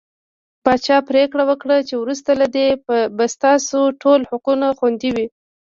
پاچا پرېکړه وکړه چې وروسته له دې به ستاسو ټول حقوق خوندي وي .